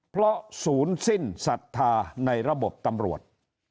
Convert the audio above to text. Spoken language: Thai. เพราะศูนย์สิ้นศรัทธาในระบบตำรวจ